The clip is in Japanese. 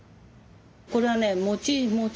これはねもちもち。